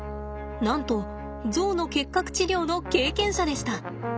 なんとゾウの結核治療の経験者でした。